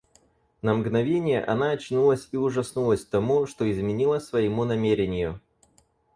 На мгновенье она очнулась и ужаснулась тому, что изменила своему намерению.